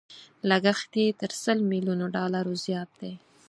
لګښت يې تر سل ميليونو ډالرو زيات دی.